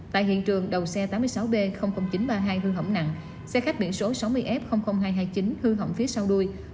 tại hiện trường đầu xe tám mươi sáu b chín trăm ba mươi hai hư hỏng nặng xe khách biển số sáu mươi f hai trăm hai mươi chín hư hỏng phía sau đuôi